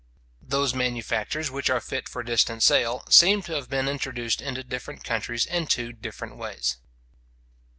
Those manufactures which are fit for distant sale, seem to have been introduced into different countries in two different ways.